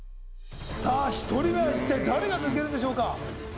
さあ１人目はいったい誰が抜けるんでしょうか？